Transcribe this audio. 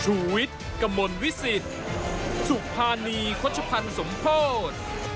ชีวิตกระมวลวิสิทธิ์สุภาณีขวดชภัณฑ์